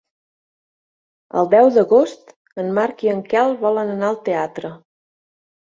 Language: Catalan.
El deu d'agost en Marc i en Quel volen anar al teatre.